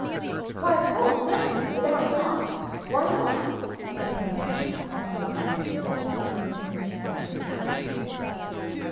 "Why of course, certainly, without doubt, why not?" said Henny Penny, Cocky locky, Ducky daddles, Goosey poosey, and Turkey lurkey.